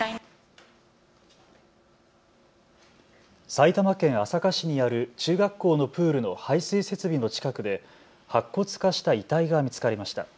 埼玉県朝霞市にある中学校のプールの排水設備の近くで白骨化した遺体が見つかりました。